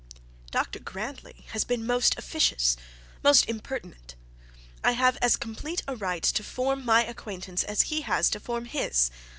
'Dr Grantly has been most officious, most impertinent. I have as complete a right to form my acquaintance as he has to form his.